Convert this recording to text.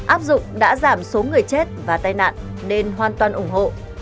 áp dụng đã giảm số người chết và tai nạn nên hoàn toàn ủng hộ